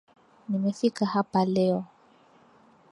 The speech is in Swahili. Nimefika hapa leo